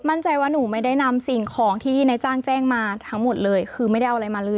มั่นใจว่าหนูไม่ได้นำสิ่งของที่นายจ้างแจ้งมาทั้งหมดเลยคือไม่ได้เอาอะไรมาเลย